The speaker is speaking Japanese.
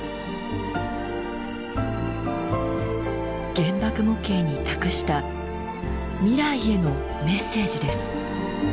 原爆模型に託した未来へのメッセージです。